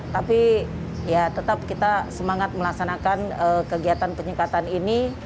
tapi ya tetap kita semangat melaksanakan kegiatan penyekatan ini